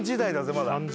まだ。